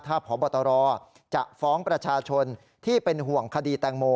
ถ้าพบตรจะฟ้องประชาชนที่เป็นห่วงคดีแตงโม